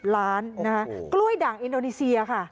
ล้านนะคะกล้วยด่างอินโดนีเซียค่ะ